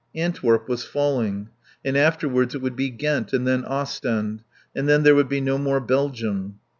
Antwerp was falling. And afterwards it would be Ghent, and then Ostend. And then there would be no more Belgium.